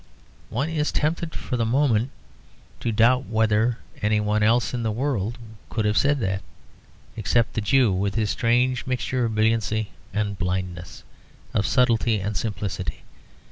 One is tempted for the moment to doubt whether any one else in the world could have said that, except the Jew with his strange mixture of brilliancy and blindness, of subtlety and simplicity.